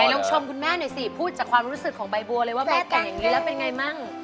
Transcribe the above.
ลองชมคุณแม่หน่อยสิพูดจากความรู้สึกของใบบัวเลยว่าแม่แก่อย่างนี้แล้วเป็นไงมั่ง